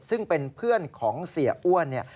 ซึ่งเป็นเพื่อนของเสียอ้วนเนี่ย